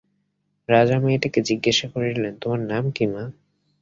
রাজা মেয়েটিকে জিজ্ঞাসা করিলেন, তোমার নাম কী মা?